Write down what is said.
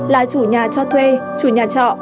là chủ nhà cho thuê chủ nhà trọ